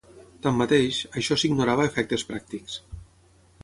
Tanmateix, això s'ignorava a efectes pràctics.